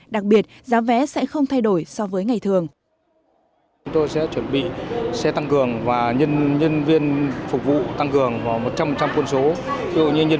đặc biệt giá vé sẽ không thay đổi so với ngày thường